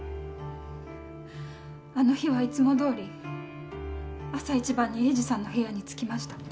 あの日はいつもどおり朝一番に栄治さんの部屋に着きました。